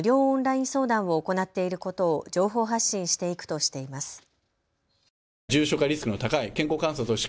オンライン相談を行っていることを情報発信していくとしています。